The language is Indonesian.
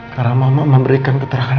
karena mama memberikan keterangan